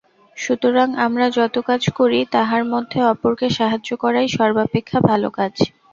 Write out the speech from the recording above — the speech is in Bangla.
সুতরাং আমরা যত কাজ করি, তাহার মধ্যে অপরকে সাহায্য করাই সর্বাপেক্ষা ভাল কাজ।